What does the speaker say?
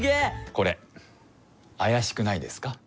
これあやしくないですか？